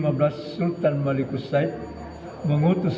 melambangkan empat buah tiang yang berdiri